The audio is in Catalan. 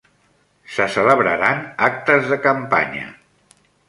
Se celebraran actes de campanya